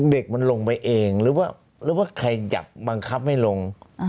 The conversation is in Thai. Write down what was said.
เด็กมันลงไปเองหรือว่าใครจับบังคับให้ลง